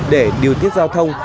để điều tiết giao thông